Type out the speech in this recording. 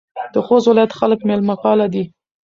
د خوست ولایت خلک میلمه پاله دي.